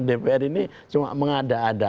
dpr ini cuma mengada ada